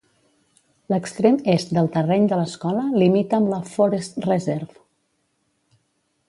L'extrem est del terreny de l'escola limita amb la "Forest Reserve".